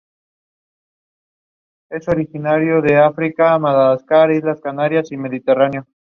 Para conseguir esto se requieren mecanismos bastante complejos.